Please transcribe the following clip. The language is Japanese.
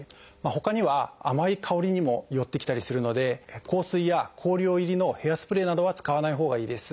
ほかには甘い香りにも寄ってきたりするので香水や香料入りのヘアスプレーなどは使わないほうがいいです。